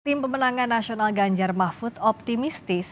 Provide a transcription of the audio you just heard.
tim pemenangan nasional ganjar mahfud optimistis